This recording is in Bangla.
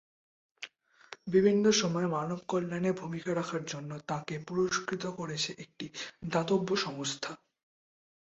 বিভিন্ন সময় মানবকল্যাণে ভূমিকা রাখার জন্য তাঁকে পুরস্কৃত করেছে একটি দাতব্য সংস্থা।